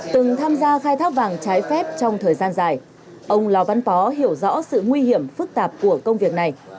từng tham gia khai thác vàng trái phép trong thời gian dài ông lò văn pó hiểu rõ sự nguy hiểm phức tạp của công việc này